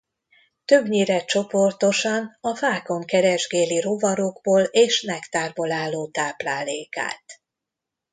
Többnyire csoportosan a fákon keresgéli rovarokból és nektárból álló táplálékát.